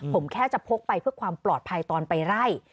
ผมแค่จะพกไปเพื่อความปลอดภัยตอนไปไล่